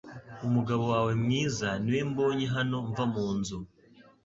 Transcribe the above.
Umugabo wawe mwiza niwe mbonye hano mva munzu